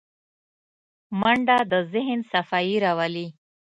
منډه د ذهن صفايي راولي